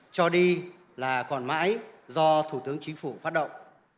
cho đi là còn mãi do thủ tướng chính phủ phát động